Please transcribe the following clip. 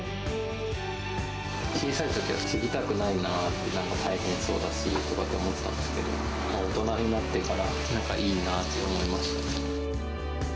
小さいときは継ぎたくないなって、なんか大変そうだしとかって思ってたんですけど、大人になってから、なんかいいなって思いました。